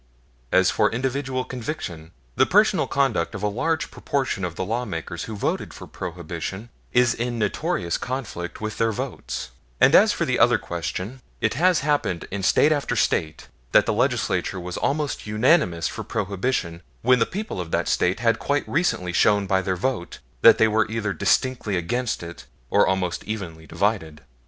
As for individual conviction, the personal conduct of a large proportion of the lawmakers who voted for Prohibition is in notorious conflict with their votes; and as for the other question, it has happened in State after State that the Legislature was almost unanimous for Prohibition when the people of the State had quite recently shown by their vote that they were either distinctly against it or almost evenly divided.